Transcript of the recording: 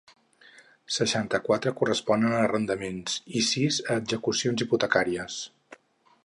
Seixanta-quatre corresponen a arrendament i sis a execucions hipotecàries.